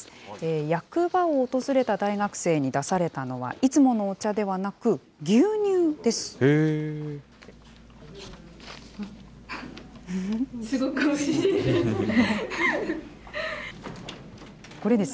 役場を訪れた大学生に出されたのは、いつものお茶ではなく牛乳です。